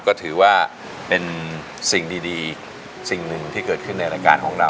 ก็ถือว่าเป็นสิ่งดีสิ่งหนึ่งที่เกิดขึ้นในรายการของเรา